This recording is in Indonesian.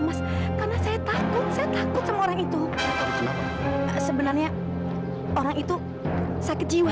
mas karena saya takut takut semua orang itu sebenarnya orang itu sakit jiwa